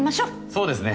そうですね。